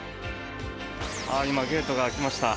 今、ゲートが開きました。